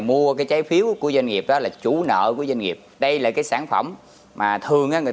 mua cái trái phiếu của doanh nghiệp đó là chủ nợ của doanh nghiệp đây là cái sản phẩm mà thường người